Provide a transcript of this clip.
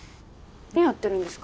なにやってるんですか？